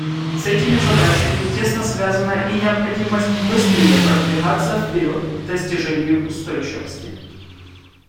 С этими задачами тесно связана и необходимость быстрее продвигаться вперед к достижению устойчивости.